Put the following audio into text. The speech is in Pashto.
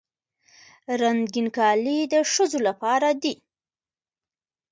رنګین کالي د ښځو لپاره دي.